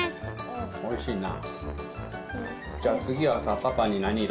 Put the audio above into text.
おいしいな。